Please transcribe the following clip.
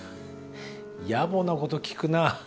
やぼなこと聞くなぁ。